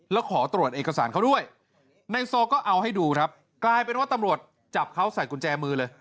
แล้วขอตรวจเอกสารเขาด้วยในโซก็เอาให้ดูครับกลายเป็นว่าตำรวจจับเขาใส่กุญแจมือเลย